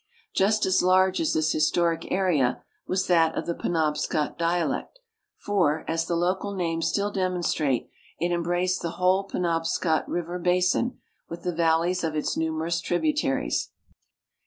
Just as large as this historic area was that of the Penobscot dialect, for, as the local names still demonstrate, it embraced the whole Penobscot river basin, with the valleys of its numerous tributaries.